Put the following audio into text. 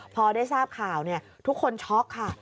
พอได้ทราบข่าวทุกคนช็อกค่ะ